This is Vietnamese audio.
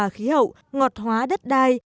khi hậu ngọt hóa đất đai